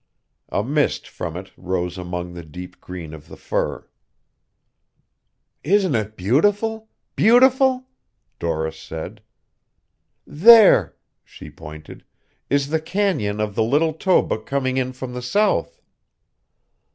A mist from it rose among the deep green of the fir. "Isn't it beautiful beautiful?" Doris said. "There" she pointed "is the canyon of the Little Toba coming in from the south.